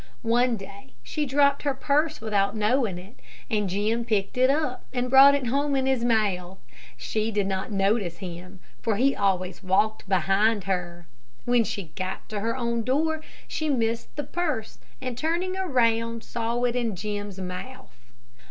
One day, she dropped her purse without knowing it, and Jim picked it up, and brought it home in his mouth. She did not notice him, for he always walked behind her. When she got to her own door, she missed the purse, and turning around saw it in Jim's mouth.